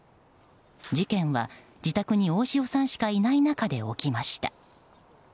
事件は自宅に大塩さんしかいない中で起きました。